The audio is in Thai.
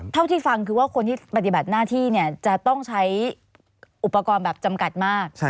เท่าที่ฟังคือว่าคนที่ปฏิบัติหน้าที่จะต้องใช้อุปกรณ์แบบจำกัดมาก